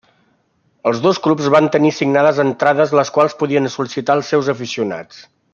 Els dos clubs van tenir assignades entrades les quals podien sol·licitar els seus aficionats.